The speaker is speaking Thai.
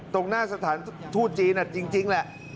ตรงหน้าสถานทูตจีนจริงแหละ